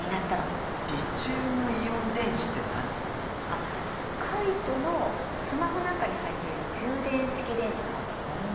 あっカイトのスマホなんかに入っている充電式電池のこと。